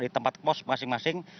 di tempat pos masing masing